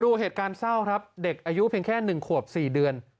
ดูเหตุการณ์เศร้าครับเด็กอายุเพียงแค่๑ขวบ๔เดือน